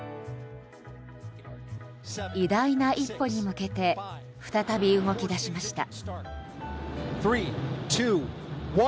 偉大な一歩に向けて再び動き出しました。